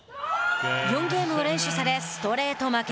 ４ゲームを連取されストレート負け。